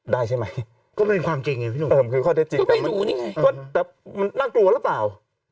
ได้ใช่ไหมก็ไม่มีความจริงอะไรเปล่า